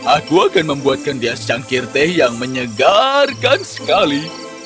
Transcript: aku akan membuatkan dia secangkir teh yang menyegarkan sekali